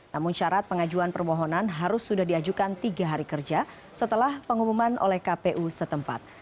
namun syarat pengajuan permohonan harus sudah diajukan tiga hari kerja setelah pengumuman oleh kpu setempat